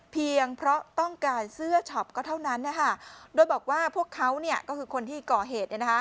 เพียงเพราะต้องการเสื้อช็อปก็เท่านั้นโดยบอกว่าพวกเขาก็คือคนที่ก่อเหตุ